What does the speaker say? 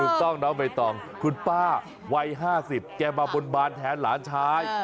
ถูกต้องน้องใบตองคุณป้าวัย๕๐แกมาบนบานแทนหลานชาย